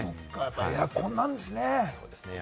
エアコンなんですね。